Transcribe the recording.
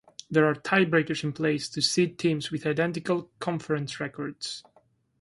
There are tiebreakers in place to seed teams with identical conference records.